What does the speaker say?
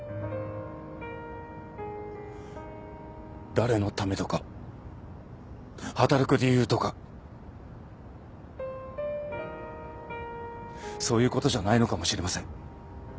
誰のためとか働く理由とかそういうことじゃないのかもしれません。